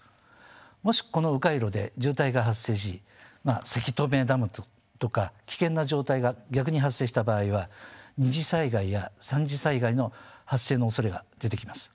もしこのう回路で渋滞が発生しせき止めダムとか危険な状態が逆に発生した場合は二次災害や三次災害の発生のおそれが出てきます。